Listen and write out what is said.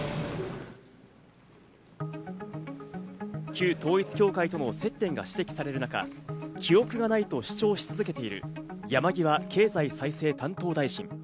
旧統一教会との接点が指摘される中、記憶がないと主張し続けている山際経済再生担当大臣。